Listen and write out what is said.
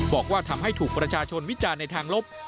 บอกว่าทำให้ถูกประชาชนวิจารณ์ในทางลบ